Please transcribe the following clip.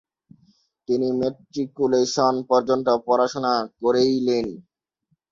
তিনি ম্যাট্রিকুলেশন পর্যন্ত পড়াশোনা করেইলেন।